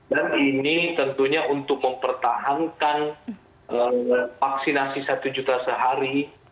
dan ini tentunya untuk mempertahankan vaksinasi satu juta sehari